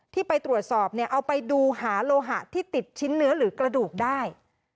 ที่ไปตรวจสอบเนี่ยเอาไปดูหาโลหะที่ติดชิ้นเนื้อหรือกระดูกได้